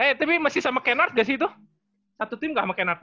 eh tapi masih sama kennard gak sih itu satu tim gak sama kennard